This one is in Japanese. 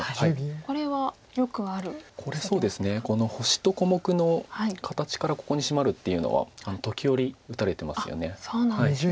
この星と小目の形からここにシマるっていうのは時折打たれてますよね。